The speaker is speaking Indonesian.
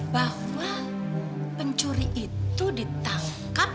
bahwa pencuri itu ditangkap